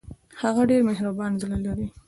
هغه ډېر مهربان زړه لري